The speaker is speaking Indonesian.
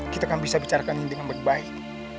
kita kan bisa bicarakan ini dengan baik baik